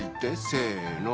せの。